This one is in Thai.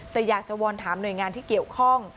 แต่อยากจะวอนถามหน่วยงานที่เกี่ยวข้อง